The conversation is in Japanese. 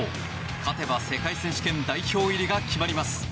勝てば世界選手権代表入りが決まります。